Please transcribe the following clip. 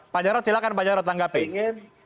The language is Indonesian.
pak jarod silahkan pak jarod tanggapin